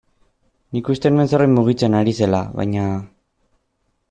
Nik uste nuen zerbait mugitzen ari zela, baina...